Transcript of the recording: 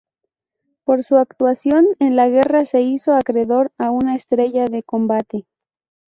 Por su actuación en la guerra se hizo acreedor a una estrella de combate.